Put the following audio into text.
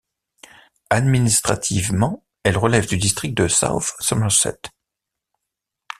Administrativement, elle relève du district de South Somerset.